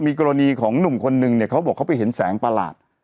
มีกรณีของหนุ่มคนนึงเนี่ยเขาบอกเขาไปเห็นแสงประหลาด